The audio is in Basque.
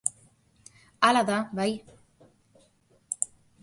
Hala da, bai.